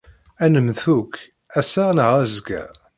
Ad nemmet akk, ass-a neɣ azekka.